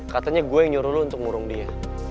katanya gue yang nyuruh lu untuk ngurung dia